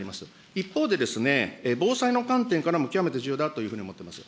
一方で、防災の観点からも極めて重要だというふうに思っています。